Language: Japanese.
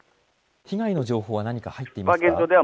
被害の情報は何か入っていますか。